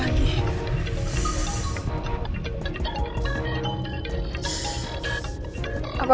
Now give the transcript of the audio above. apa mereka semua udah tahu ya